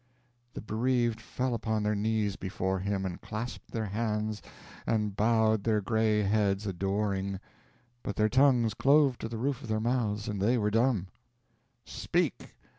The bereaved fell upon their knees before him and clasped their hands and bowed their gray heads, adoring. But their tongues clove to the roof of their mouths, and they were dumb. "Speak!